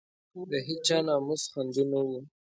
د هېچا ناموس خوندي نه وو.